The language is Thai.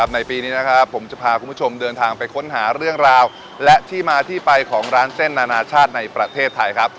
ในปีนี้นะครับผมจะพาคุณผู้ชมเดินทางไปค้นหาเรื่องราวและที่มาที่ไปของร้านเส้นนานาชาติในประเทศไทยครับ